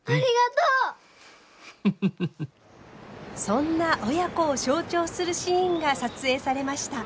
そんな親子を象徴するシーンが撮影されました。